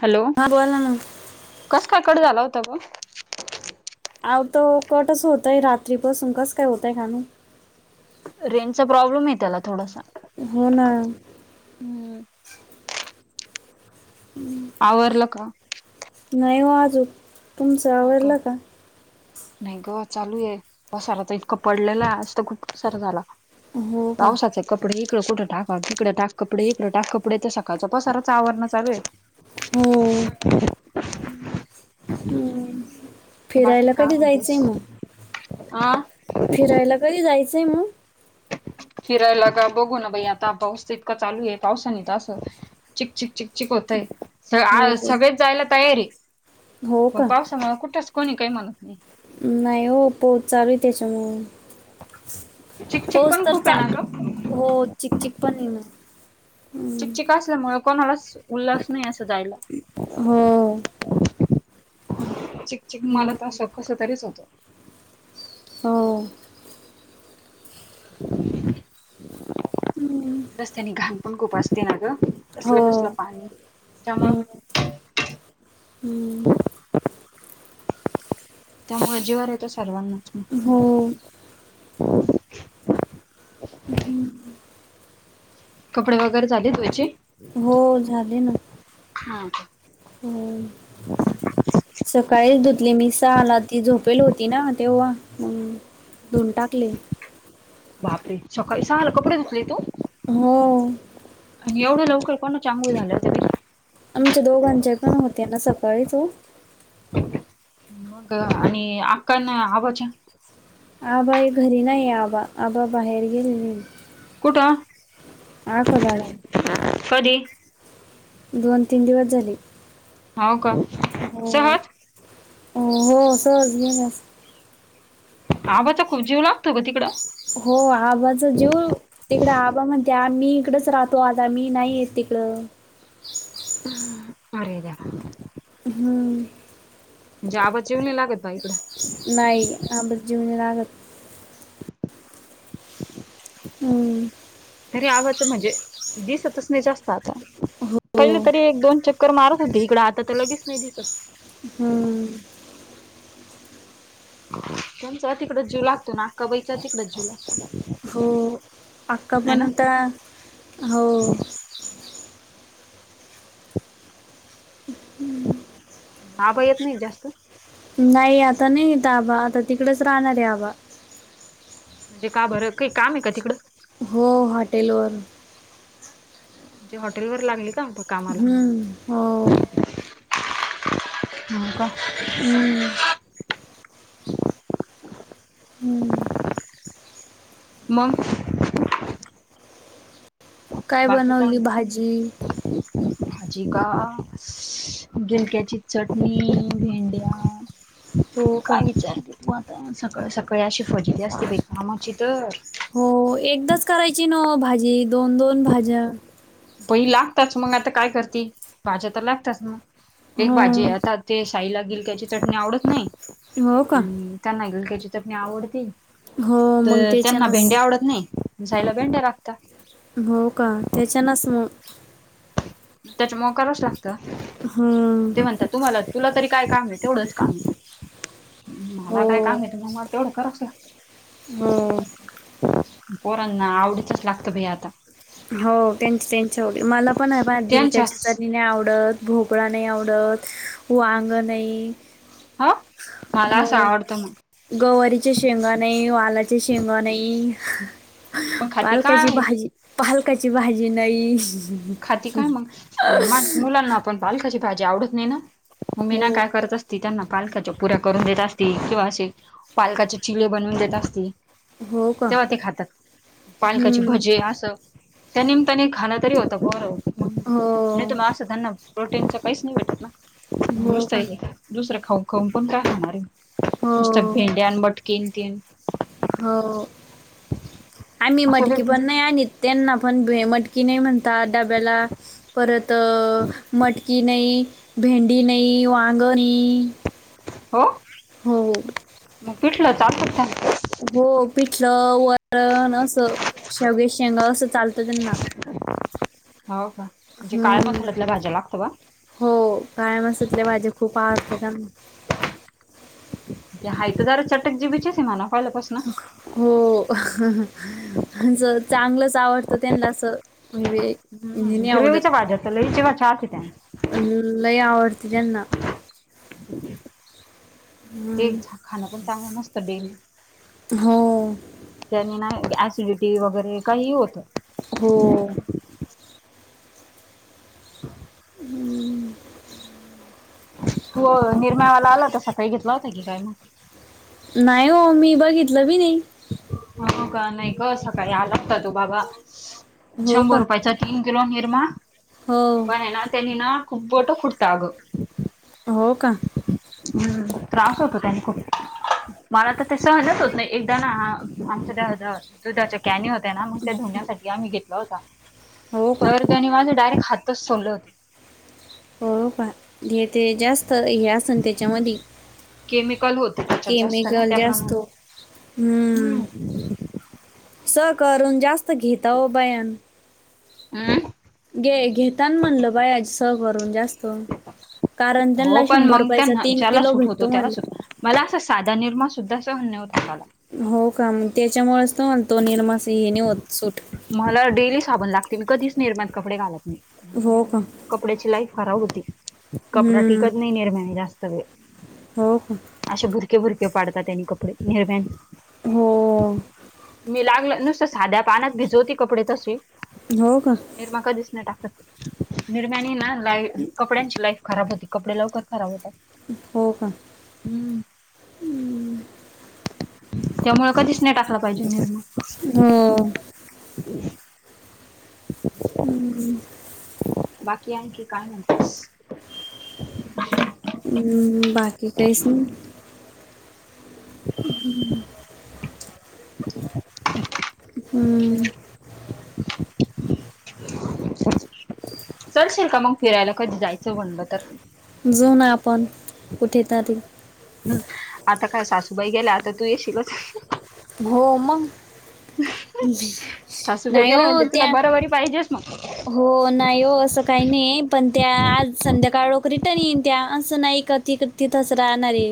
Hello! हां बोला ना. कस काय कट झाला होता ग! आव तो कटच होतय रात्रीपासून कस काय होतय काय माहिती. रेंचा प्रॉब्लेम आहे त्याला थोडासा. हो ना. हम्म! आवरलं का? नाही हो आजू तुमचं आवरलं का? नाही ग चालू आहे पसारा तर इतकां पडलेला नुसता खूपसार झाला. हो का ताव सच एक कपडे इकडं कुठं टाक तिकडं टाक कपडे इकडं टाक कपडे तर सकाळचा पसाराच आवरणचालुये. हो [inaudible] हम्म बाकी फिरायला काय कधी जायचंय म्हणतेस? मग. हा. फिरायला कधी जायचं आहे मग. फिरायला का बघू ना बाई आता पाऊस तितका चालू आहे पावसानी तसं चिक चिक चिक चिक होतय. स हो सगळेच जायला तयार ये. हो पण का पावसामुळे कुठच कोणी काही म्हणत नाही. नाही ओ पाऊस चालू ये तेच्या मुळं. चिक चिक पण खूप आहे ना चालू गं. हो चिक चिक‌ पण ये ना. हम्म. चिकचिक असल्यामुळे कोणाला उल्हास नाही असं जायला. हो चिकचिक मला हम्म. त असं कसतरीच होतं. हो. [inaudible] हम. रस्त्याने घाण पण खूप असते ना, गं कसलं हो कसलं पाणी. हम. त्यामुळे जीवावर येतो सर्वांनाच. हो हम हम. कपडे वगैरे झाली धुवायची. हो झाली ना. हा का. हो. सकाळीच धुतली मी सहाला, ती झोपेल होती ना तेव्हा म्हणून. धुन टाकले. बापरे सकाळी सहाला कपडे धुतले तू. हो. आणि एवढ्या लवकर कोणाच्या आंघोळी झाल्या होत्या. बाई आमच्या दोघांच्या पण होत्या ना सकाळीच हो. मग आणि आक्का अन आबाच्या आबा हे घरी नाहीये आबा, आबा बाहेर गेलेले. कुठं. [unintelligible] कधी. दोन तीन दिवस झाले. हांव का. हो सहज हो सहज गेलेत. आबाचा खूप जीव लागतो गं तिकडं. हो आबाचा जीव. तिकडं आबा म्हणते, मी इकडच राहतो आता मी नाही येत तिकडं. अरे देवा. हम. म्हणजे आबाचा जीव नाही लागत. बा इकडं नाही आबाचा जीव नाही लागतं. हम. तरी आबाचं म्हणजे दिसतच नाही जास्त आता. हो पहिले तरी एक दोन चक्कर मारत होते. इकडं आता तर लगेच नाही दिसत. हम. त्यांचा तिकडच जीव लागतो, अन् अक्काबाईचा तिकडच जीव हो लागतो. अक्का आहे ना पण आता हो. आबा येत नाही जास्तं. नाही आता नाही येत आबा आता तिकडेच राहणार आहे आबा. म्हणजे का बरं काही काम आहे का तिकडं? हो हॉटेलवर. म्हणजे हॉटेलवर लागले का आबा. हम्म हो. हाव का. हम्म. हम्म. मग? काय बाकी बनवली काय? भाजी जिका गिलक्याची चटणी, भेंड्या, हो का काय विचारते तू आता सकाळ सकाळी अशी फजिती असते बाई कामाची तर. हो एकदाच करायची न ओ भाजी दोन दोन भाज्या. बई लागतच मग आता काय करते भाज्या तर लागतच मग एक हो भाजी येतात. ते साईला गिलक्याची चटणी आवडत नाही हो का आणि त्यांना गिलक्याची चटणी आवडती. हो मग तर त्यांना भेंड्या त्याच्यानच आवडत नाही साईला भेंडे्या लागत्या. हो त्याच्यानच मग. त्याच्यामूळ करावंच लागतं. हम्म. ते तुम्हाला तुला तरी काय काम तेवढंच काम हो मला काय काम आहे मग. तेवढं करावाच लागत. हो. पोरांना आवडीतच लागत बाई आता. हाव त्यांची त्यांच्या आव मला पण आहे पण दिलकाच्या त्यांच्याच चटणी आवडत. भोपळा नाही आवडत, वांग नाही, हा मला असं हो आवडतं मग गवारीचे शेंगा नाही, वा पा शेंगा नाही, मग खाती पालकाची काय? भाजी पालकाची भाजी नाही, खाती काय मग मुलांना आपण पालकाची भाजी आवडत नाही ना हो, मीना काय करत असते. त त्यांना पालकाच्या पुऱ्या करून देत असती किंवा असे पालकाचे चिले बनवून देत असते. हो का? तेव्हा ते खातात. पालकाची हं. भजे असं त्यानिमित्ताने खाण तरी होत. बर नाही हो, त मग असं ध प्रोटीनच काहीच नाही भेटत ना. हो नसत का? दुसरा खाऊन खाऊन पण काय खाणार [unintelligible] हो, भेंडी आणि मटकी अन ते. हो आम्ही असं मटकी वेगळं पण नाही आणीत त्यांना पण मटकी की नाही म्हणतात डाब्याला परत मटकी नाही, भेंडी नाही, वांग नाही, हो हो. मग पिटलं चालत का. हो पिठलं, वरण, असं शेवग्याच्या शेंगा असं चालतं त्यांना. हाव का. म्हणजे काळ्या हम्म मसाल्यातल्या भाज्या लागतं बा हो काळे मसातले भाज्या खूप आवडतात त्यांना. हाय जरा चटक जीबीचे आहे म्हणा पहिल्यापासन. हो ज चांगलंच आवडतं त्यांना असं. हे हम्म नाही आवडत ग्रेव्हीच्या भाज्या त्याला जीवाच्या आत आहे त्यांच्या‌ लय आवडती त्यांना. ते हम्म. खाणं पण चांगलं नसतं डेली. हो त्याने ना ऍसिडिटी वगैरे काहीही होतं. हो‌. [inaudible] हम्म. तू निरम्यायावाला आला होता सकाळी घेतला होता की काय मग? नाही ओ मी बघितलं बी नाही. हो का? नाही ग सकाळी आला होता तो बाबा हो का शंभर रुपयाचा तीन किलो निरमा हो. पण हाय ना तेनी ना खुप बोट खुडत अग. हो का? हम्म त्रास होतो त्यांनी खूप. मला तर ते सहनच होत नाही. एकदा ना आमच्या त्या ह दुधाच्या कॅनी होत त्या ना मग त्या धुण्यासाठी आम्ही घेतला होता. हो का? त्यानी माझे डायरेक्ट हातच सोलले होते. हो का? घे ते जास्त हे अस असेल त्याच्यामधी केमिकल होते त्याच्यात जास्त ना केमिकल जे त्याप्रमाणे असतो हम्म. स करून जास्त घेता हो बायान. अं? घे-घेताना म्हणलं बाया स करून जास्त कारण हो त्यांना पण शंभर मग रुपयाचा त्यांना तीन ज्याला किलो सूट होतो भेटतो त्याला म्हंटल. सूट मला असा साधा निरमा सुद्धा अस सहन नाय होत हाताला. हो का मग त्याच्यामुळेच तर म्हणतो निरमास हे नाही होत सुट. मला डेली साबण लागते मी कधीच निरम्यात कपडे घालत नाही. मी हो का निरम्याने नाही कपड्याची लाईफ खराब होती. कपडा हम्म टिकत नाही निरम्याने जास्त वेळ. हो का? असे भुरके भुरके पाडतात त्यांनी कपडे निरम्याने. हो मी लागल नुसतं साध्या पाण्यात भिजवती कपडे तसे. हो का? निरमा कधिच नाही टाकत. निरम्यानी ना लाई कपड्यांची लाईफ खराब होती. कपडे लवकर खराब होतात. हो का? हम्म. त्यामुळे कधीच नाही टाकला पाहिजे निरमा. हो. [inaudible] [inaudible] हम्म. बाकी आणखी काय तेच म्हणतेस? अं बाकी काहीच नाही. हम्म हम्म. [inaudible] हम्म. चलशील का मग फिरायला कधी जायचं म्हणलं तर. जऊ ना आपण कुठेेतरी. हम् आता काय सासूबाई गेल्या आता तू येशील. हो मगं. सासूबाई नाही ओ गेल्या म्हणजे तुला त्या बरोबरी पाहिजेच मग हो नाही हो असं काय नाही पण त्या आज संध्याकाळ लोक रिटर्न येईन त्या असं नाही क त तिथंच राहणारे.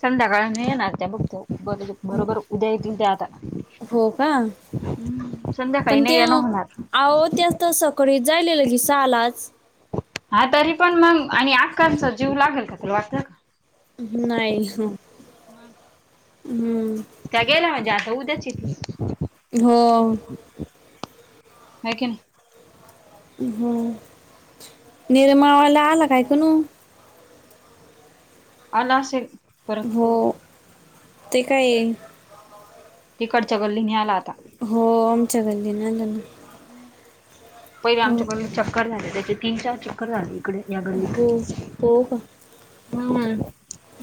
संध्याकाळ नाय येणार त्या बघ त्या बरोबर उद्या ये त त्या आता ना. हो का हम्म संध्याकाळी पण ते नाही ये न होणार. अहो त्याच तर सकाळी जायलेलं लगेच साहळा आलाच. हा तरी पण मग आणि आका जीव लागेल का तुला वाट. नाही. मग! हम्. त्या गेल्या म्हणजे आता उद्याच येतील. हो. हाय की नाही. हो निरमावाला आला कायकणू. आला असे परत. हो ते काय ये तिकडच्या गल्लीनि आला आता. हो आमच्या गल्लीन आलाना. हम्म पहिले आमच्याकडून चक्कर झाले त्याचे तीन चार चक्कर. कर झाले इकडे या हो गल्लीत. हो का हम्म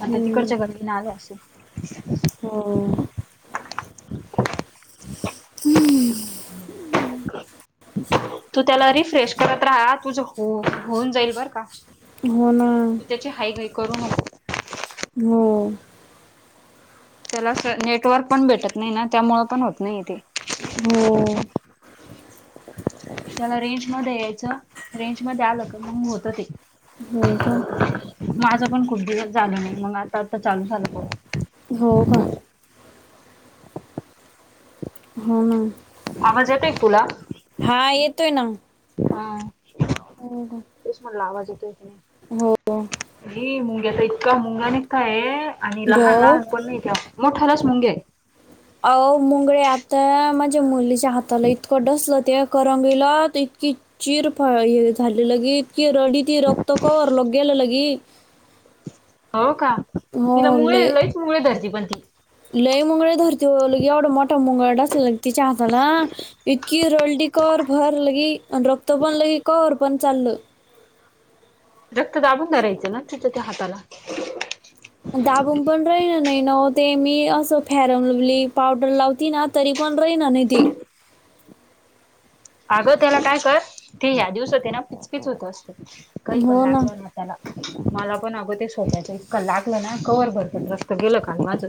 आता हम्म तिकडच्या गल्लीन आले असेल. हो. हम्म. तू त्याला रिफ्रेश करत राहा तुझ हो होऊन जाईल बर का. हो ना. तू त्याची हाईघाई करू नको. हो. त्याला असं नेटवर्क पण भेटत नाही ना त्यामुळे पण होत नाही ते. हो. त्याला रेंज मध्ये यायचं रेंज मध्ये आलं का मग होतं ते. होय का. माझं पण खूप दिवस झाल नाही मग आता आता चालू झालं. हो का. होना. आवाज येतोय का तूला? हा येतोय ना. तेच म्हणल आवाज येतो की नाही. हो‌. अ मुंग्याचा इतका मुंगा निघताय आणि ब लहान लहान पण नाही त्या. मोठयालाच मुंग्ग्या [unintelligible] अहो मुंगळे आता माझ्या मुलीच्या हाताला इतकं डसलं ते. करंगीला तर इतकी चीर फड हे झाले लगी. इतकी रडी ती रक्त कवरलोग गेल लगे. हो का तिला हो मुंगळे लय लईच मुंगळे धरती पण ती. लय मुंगळे धरती ओ लगे एवढा मोठा मुंगळा डसला तिच्या हाताला इतक इतकि रडी कवर भर लगी आणि रक्त पण लगी कवर पण चाललं. रक्त दाबून धारायचं ना तिथं त्या हाताला. दाबून पण राहिल नाहीना ओते मी असं फॅरनलवली पावडर लावती ना‌. तरीपण राहीना नईते. अगं त्याला काय करत ते ह्या दिवसात ते ना पिचपिच होत असतं काही पण हो ना लागलं न. त्याला मला पण अगं ते सोफ्याच इतक लागलं ना कवर भरपण रक्त गेलं काल माझं.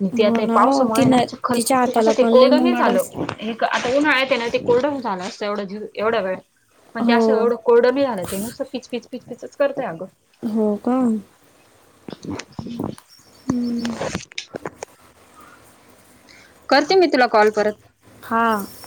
न ते हो आता ना हो पावसामुळे आहे ना, तिनं चीखल तिच्या असं हाताला ते पण लय कोरड नाही झालं मुंगाडच हे. आता उन्हाळ्यात हेना ते कोरडं झाला असतं एवढं एवढा वेळ‌. पण ते असं हो एवढं कोरड नाही झालं ते नुसं पिचपिच पिचपिच करतय अगं. हो का. [inaudible] हम्म. [inaudible] करते मी तुला कॉल परत. हां.